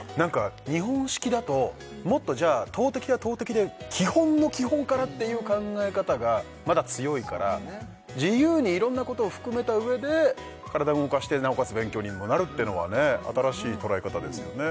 日本式だともっとじゃあ投てきは投てきで基本の基本からっていう考え方がまだ強いから自由にいろんなことを含めた上で体動かしてなおかつ勉強にもなるってのはね新しい捉え方ですよね